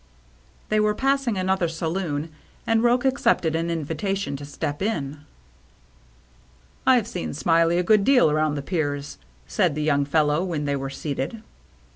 They were passing another saloon, and Roche accepted an invitation to step in. " I've seen Smiley a good deal around the piers," said the young fellow, when they were seated.